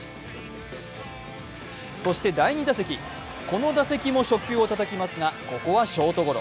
そして第２打席、この打席も初球をたたきますがここはショートゴロ。